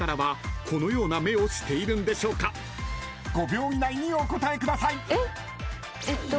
［５秒以内にお答えください］えっ？えっと。